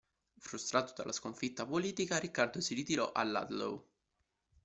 Frustrato dalla sconfitta politica, Riccardo si ritirò a Ludlow.